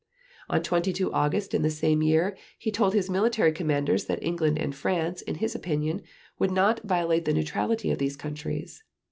On 22 August in the same year, he told his military commanders that England and France, in his opinion, would not "violate the neutrality of these countries."